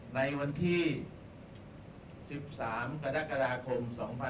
ในวันที่๑๓กรกฎาคม๒๕๖๒